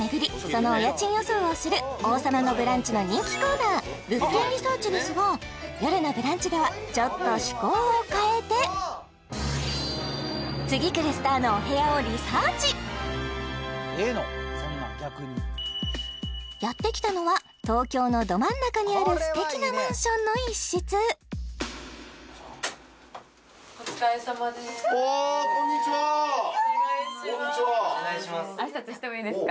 そのお家賃予想をする王様のブランチの人気コーナー物件リサーチですが「よるのブランチ」ではちょっと趣向を変えてやってきたのは東京のど真ん中にある素敵なマンションの一室お願いします